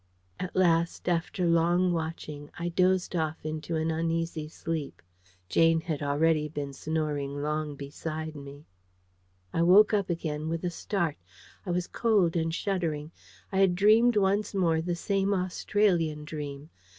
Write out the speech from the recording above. At last, after long watching, I dozed off into an uneasy sleep. Jane had already been snoring long beside me. I woke up again with a start. I was cold and shuddering. I had dreamed once more the same Australian dream.